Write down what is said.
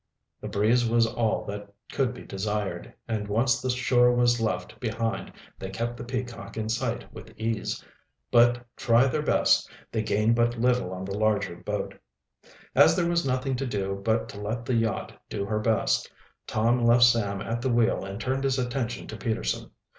The breeze was all that could be desired, and once the shore was left behind they kept the Peacock in sight with ease. But, try their best, they gained but little on the larger boat. As there was now nothing to do but to let the yacht do her best, Tom left Sam at the wheel and turned his attention to Peterson.